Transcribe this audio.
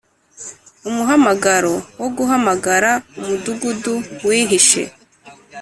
umuhamagaro wo guhamagara umudugudu wihishe